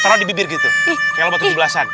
taruh di bibir gitu kayak lebat tujuh belas an